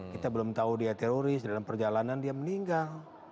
kita belum tahu dia teroris dalam perjalanan dia meninggal